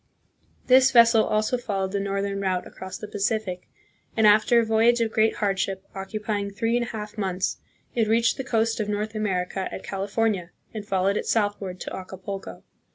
This vessel also followed the northern route across the Pacific, and after a voyage of great hardship, occupying three and a half months, it reached the coast of North America at Califor nia and followed it southward to Acapulco.